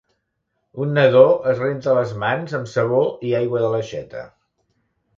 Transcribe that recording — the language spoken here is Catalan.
Un nadó es renta les mans amb sabó i aigua de l'aixeta.